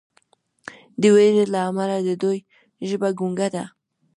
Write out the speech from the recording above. د ویرې له امله د دوی ژبه ګونګه ده.